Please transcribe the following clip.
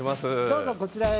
どうぞこちらへ。